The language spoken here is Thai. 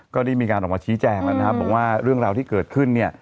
ก็ได้มีการออกมาชี้แจงแล้วนะครับบอกว่าเรื่องราวที่เกิดขึ้นเนี่ย